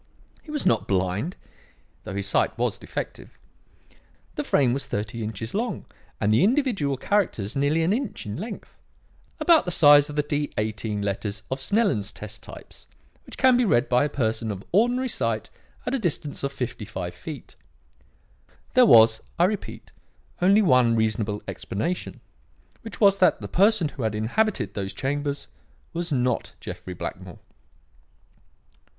He was not blind, though his sight was defective. The frame was thirty inches long and the individual characters nearly an inch in length about the size of the D 18 letters of Snellen's test types, which can be read by a person of ordinary sight at a distance of fifty five feet. There was, I repeat, only one reasonable explanation; which was that the person who had inhabited those chambers was not Jeffrey Blackmore.